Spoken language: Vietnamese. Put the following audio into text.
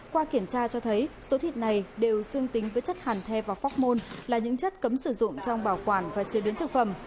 qua kiểm tra cho thấy số thịt này đều dương tính với chất hàn the và phóc môn là những chất cấm sử dụng trong bảo quản và chế biến thực phẩm